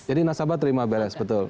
jadi nasabah terima beres betul